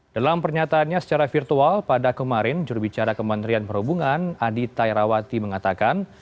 dalam pernyataannya secara virtual pada kemarin jurubicara kementerian perhubungan adi tairawati mengatakan